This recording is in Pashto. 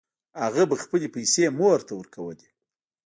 هغه به خپلې پیسې مور ته ورکولې